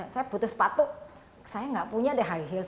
saya butuh sepatu saya nggak punya deh high heels